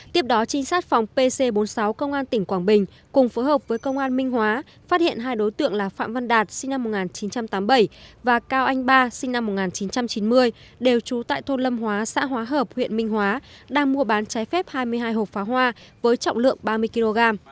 tiếp đó trinh sát phòng pc bốn mươi sáu công an tỉnh quảng bình cùng phối hợp với công an minh hóa phát hiện hai đối tượng là phạm văn đạt sinh năm một nghìn chín trăm tám mươi bảy và cao anh ba sinh năm một nghìn chín trăm chín mươi đều trú tại thôn lâm hóa xã hóa hợp huyện minh hóa đang mua bán trái phép hai mươi hai hộp pháo hoa với trọng lượng ba mươi kg